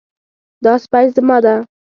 دا سپی زما ده